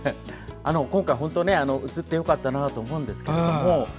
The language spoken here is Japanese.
今回、本当に映ってよかったなと思うんですけれども。